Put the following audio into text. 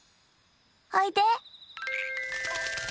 おいで。